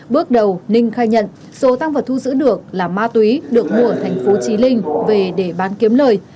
bước đầu ninh khai nhận số tăng vật thu giữ được là ma túy được mua ở thành phố trí linh về để bán kiếm lời